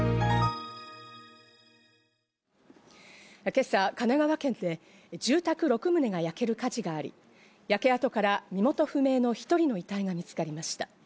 今朝、神奈川県で住宅６棟が焼ける火事があり、焼け跡から身元不明の１人の遺体が見つかりました。